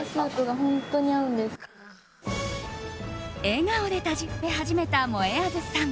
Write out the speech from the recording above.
笑顔で食べ始めたもえあずさん。